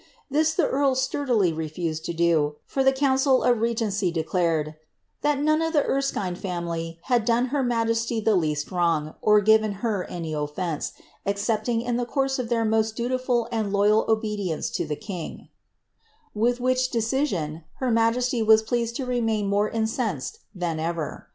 This the earl sturdily refused to do, for the council of regency declared, ^ that none of the Erskine family had done her majesty the least wrong, or given her any oflence, excepting in the course of their most dutiful and loyal obedience to the king;" with which decision her majesty was pleased to remain more incensed than ever.